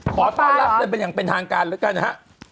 ขอต้อนรับเลยเป็นอย่างเป็นทางการแล้วกันนะฮะ